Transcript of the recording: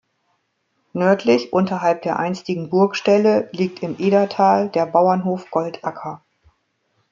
Nördlich unterhalb der einstigen Burgstelle liegt im Edertal der Bauernhof "Goldacker".